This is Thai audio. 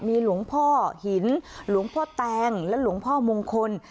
มีหลวงพ่อหินหลวงพ่อแตงและหลวงพ่อมงคล